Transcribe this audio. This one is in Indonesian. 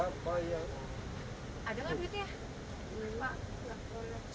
beli pak boleh